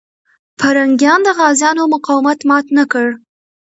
پرنګیان د غازيانو مقاومت مات نه کړ.